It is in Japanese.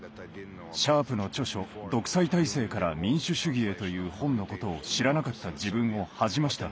シャープの著書「独裁体制から民主主義へ」という本のことを知らなかった自分を恥じました。